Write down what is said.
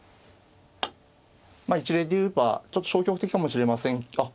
まあ一例で言えばちょっと消極的かもしれませんあっ